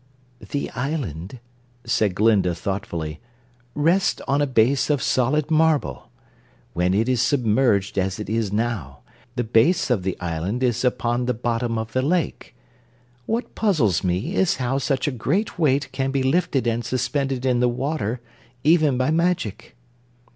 "The island," said Glinda thoughtfully, "rests on a base of solid marble. When it is submerged, as it is now, the base of the island is upon the bottom of the lake. What puzzles me is how such a great weight can be lifted and suspended in the water, even by magic."